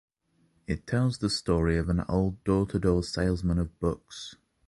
It tells the story of an old door-to-door salesman of books.